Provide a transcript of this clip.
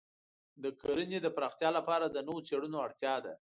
د کرنې د پراختیا لپاره د نوو څېړنو اړتیا ده.